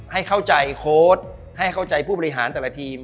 ให้เข้าใจโค้ดให้เข้าใจผู้บริหารแต่ละทีม